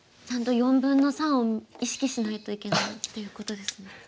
ちゃんと４分の３を意識しないといけないということですね。